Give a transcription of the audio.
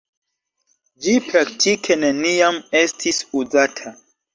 Ĝi praktike neniam estis uzata.